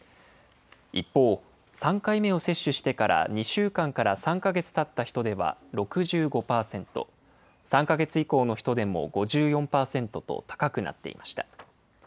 一方、３回目を接種してから２週間から３か月たった人では６５％、３か月以降の人でも５４％と高くなっていました。